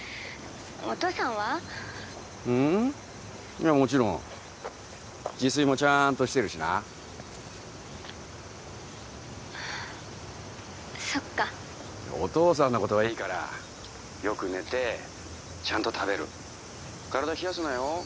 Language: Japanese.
いやもちろん自炊もちゃんとしてるしなそっかお父さんのことはいいからよく寝てちゃんと食べる体冷やすなよ